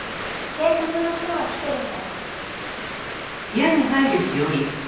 警察の人が来てるの。